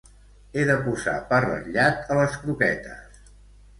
He de posar pa ratllat a les croquetes?